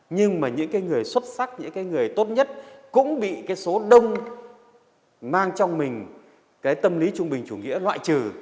nhưng mà những người xuất sắc những người tốt nhất cũng bị số đông mang trong mình tâm lý trung bình chủ nghĩa loại trừ